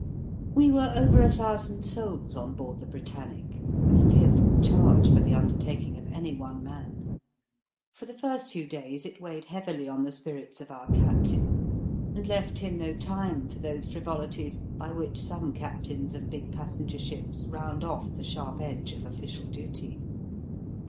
We were over a thousand souls on board the Britannic^ a fearful charge for the under Digitized by VjOOQIC 4 EAST BY WEST. taking of any one man. For the first few days it weighed heavily on the spirits of our captain, and left him no time for those frivoli ties by which some captains of big passenger ships round off the sharp edge of official duty.